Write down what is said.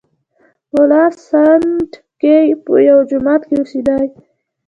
ملا سنډکی په یوه جومات کې اوسېدی.